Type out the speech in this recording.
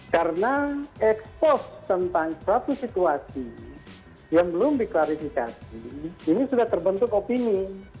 karena expose tentang suatu situasi yang belum diklarifikasi ini sudah terbentuk opini